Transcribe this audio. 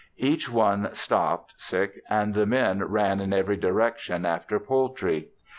Each one stopped and the men ran in every direction after poultry.